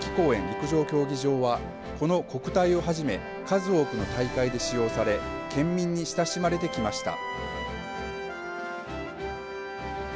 陸上競技場は、この国体をはじめ、数多くの大会で使用され、県民に親しまれてきました。